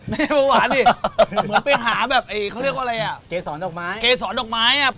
ไม่เพราะหวานสิเหมือนไปหาแบบเขาเรียกเอาอะไรแกสรดอกไม้